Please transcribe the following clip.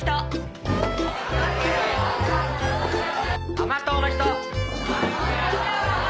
甘党の人！